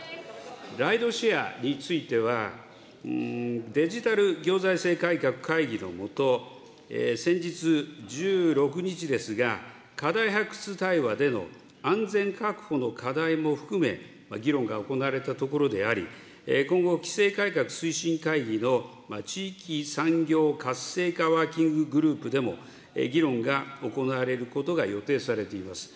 ライドシェアについては、デジタル行財政改革会議の下、先日、１６日ですが、課題発掘対話での安全確保の課題も含め、議論が行われたところであり、今後、規制改革推進会議の地域産業活性化ワーキンググループでも、議論が行われることが予定されています。